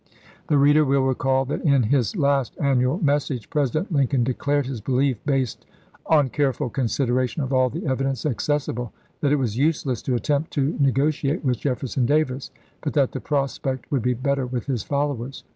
The reader will recall that in his last annual message President Lincoln declared his belief, based " on careful consideration of all the evidence accessible," that it was useless to attempt to nego tiate with Jefferson Davis, but that the prospect would be better with his followers.